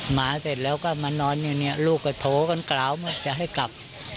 มาเสร็จแล้วก็มานอนอยู่เนี่ยลูกก็โถกันกล่าวว่าจะให้กลับ